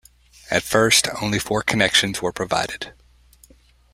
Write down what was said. At first, only four connections were provided.